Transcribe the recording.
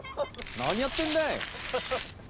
何やってんだい？